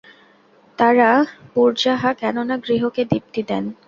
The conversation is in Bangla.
তাঁরা পুজার্হা, কেননা গৃহকে দীপ্তি দেন।